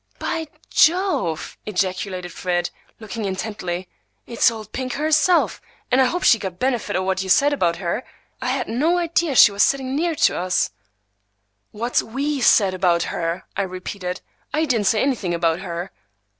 "By Jove!" ejaculated Fred, looking intently. "It's old Pink herself, and I hope she got the benefit of what we said about her. I had no idea she was sitting near us." "What we said about her!" I repeated. "I didn't say anything about her."